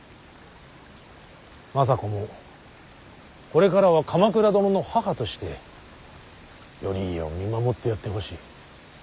政子もこれからは鎌倉殿の母として頼家を見守ってやってほしい。